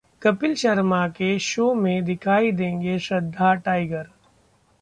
कपिल शर्मा के शो में दिखाई देंगे श्रद्धा-टाइगर